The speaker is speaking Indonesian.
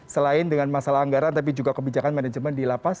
selain dengan masalah anggaran tapi juga kebijakan manajemen di lapas